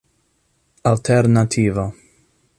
alternativo